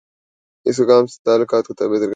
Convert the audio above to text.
اس سے اقوام کے درمیان تعلقات کو بہتر بنایا جا تا ہے۔